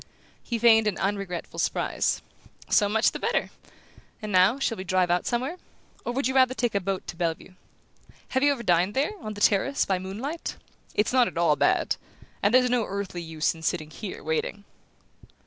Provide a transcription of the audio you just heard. He feigned an unregretful surprise. "So much the better! And now, shall we drive out somewhere? Or would you rather take a boat to Bellevue? Have you ever dined there, on the terrace, by moonlight? It's not at all bad. And there's no earthly use in sitting here waiting."